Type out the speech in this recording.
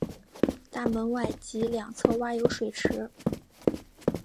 大门外及两旁挖有水池。